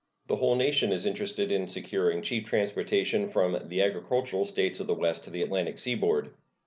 The whole nation is interested in securing cheap transportation from the agricultural States of the West to the Atlantic Seaboard.